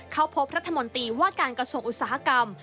เข้าพบรัฐมนตรีว่าการกระทรวงอุตสาหกรรม